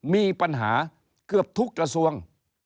มีปัญหาเกือบทุกกระทรวง